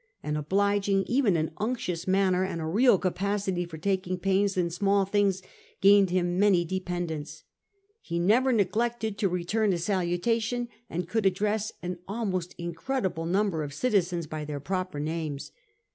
An obliging, even an unctuous, manner and a real capacity for taking pains in small things gained him many dependants. '' He never neglected to return a salutation, and could address an almost incredible number of citizens by their proper names."